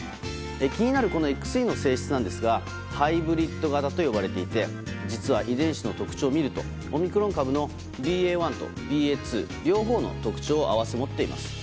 気になるＸＥの性質ですがハイブリッド型と呼ばれていて実は、遺伝子の特徴を見るとオミクロン株のＢＡ．１とＢＡ．２両方の特徴を併せ持っています。